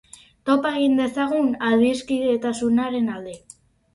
Topa egin dezagun adiskidetasunaren alde.